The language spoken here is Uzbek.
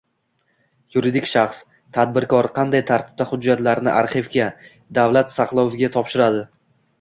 Yuridik shaxs, tadbirkor qanday tartibda hujjatlarini arxivga, davlat saqloviga topshiradi?